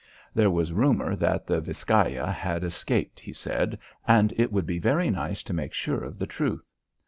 There was rumour that the Viscaya had escaped, he said, and it would be very nice to make sure of the truth.